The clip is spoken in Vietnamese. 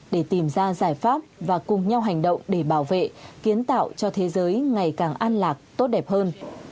để tìm ra giải pháp và cùng nhau hành động để bảo vệ kiến tạo cho thế giới ngày càng an lạc tốt đẹp hơn